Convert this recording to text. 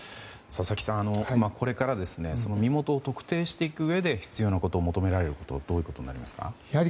佐々木さん、これから身元を特定していくうえで必要なこと求められることどういうことになりますか？